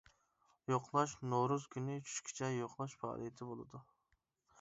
يوقلاش نورۇز كۈنى چۈشكىچە يوقلاش پائالىيىتى بولىدۇ.